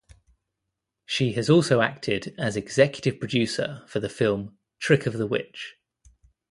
She has also acted as executive producer for the film "Trick of the Witch".